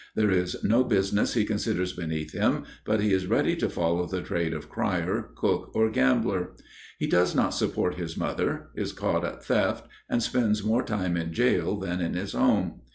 There is no business he considers beneath him, but he is ready to follow the trade of crier, cook, or gambler. He does not support his mother, is caught at theft and spends more time in jail than in his home.